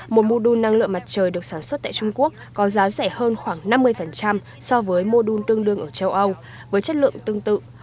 một mô đun năng lượng mặt trời được sản xuất tại trung quốc có giá rẻ hơn khoảng năm mươi so với mô đun tương đương ở châu âu với chất lượng tương tự